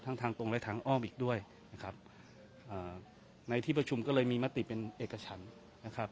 ทางทางตรงและทางอ้อมอีกด้วยนะครับอ่าในที่ประชุมก็เลยมีมติเป็นเอกฉันนะครับ